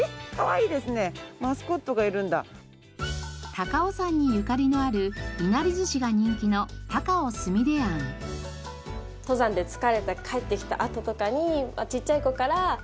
高尾山にゆかりのあるいなり寿司が人気の登山で疲れて帰ってきたあととかにちっちゃい子からおじいちゃん